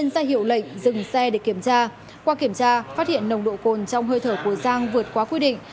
xe để kiểm tra qua kiểm tra phát hiện nồng độ cồn trong hơi thở của giang vượt qua quy định